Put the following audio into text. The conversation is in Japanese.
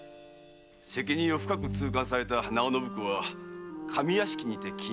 責任を深く痛感された直惟公は上屋敷にて謹慎。